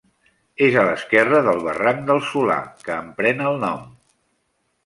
És a l'esquerra del barranc del Solà, que en pren el nom.